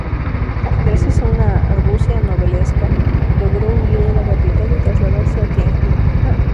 Gracias a una argucia novelesca logró huir de la capital y trasladarse a Tianjin.